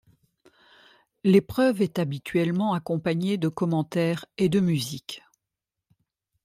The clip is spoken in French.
L'épreuve est habituellement accompagnée de commentaires et de musique.